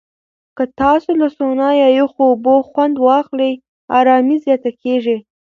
که تاسو له سونا یا یخو اوبو خوند واخلئ، آرامۍ زیاته کېږي.